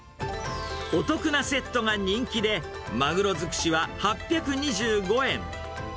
お得なセットが人気で、まぐろづくしは８２５円。